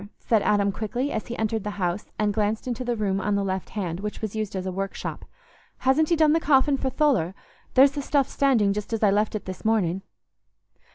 said Adam quickly, as he entered the house and glanced into the room on the left hand, which was used as a workshop. "Hasn't he done the coffin for Tholer? There's the stuff standing just as I left it this morning."